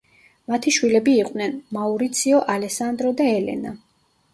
მათი შვილები იყვნენ: მაურიციო, ალესანდრო და ელენა.